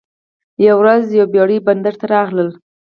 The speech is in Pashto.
یوه ورځ یوه بیړۍ بندر ته راغله.